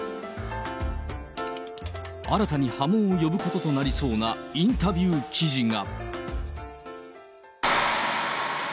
新たに波紋を呼ぶこととなりそうなインタビュー記事が。